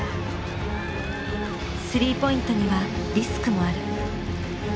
３ポイントにはリスクもある。